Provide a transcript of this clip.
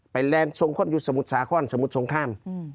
ไปแลนด์ทรงข้นอยู่สมุทรสาข้อนสมุทรทรงข้ามอืม